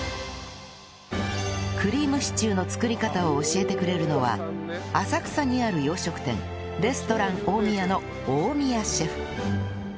クリームシチューの作り方を教えてくれるのは浅草にある洋食店レストラン大宮の大宮シェフ